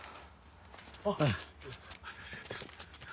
あっ助かった。